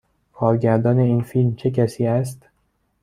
کارگردان این فیلم چه کسی است؟